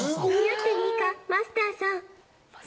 マスターさん。